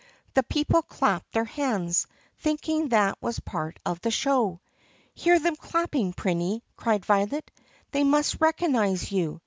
The people clapped their hands, thinking that was part of the show. "Hear them clapping, Prinny!" cried Violet. "They must recognize you."